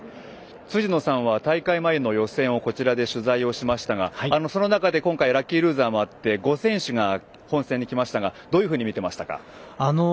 辻野さんは大会前の取材をしましたがその中でラッキールーザーもあり５選手が本戦にきましたがどういうふうに見てましたか。